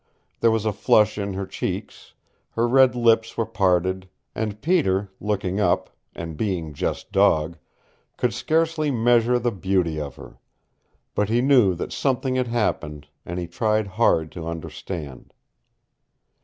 There was a flush in her cheeks, her red lips were parted, and Peter, looking up and being just dog could scarcely measure the beauty of her. But he knew that something had happened, and he tried hard to understand.